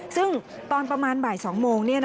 ซึ่งตอนประมาณบ่าย๒โมง